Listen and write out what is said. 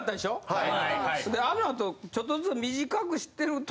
はい。